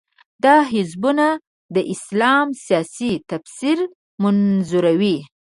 دا حزبونه د اسلام سیاسي تفسیر منظوروي.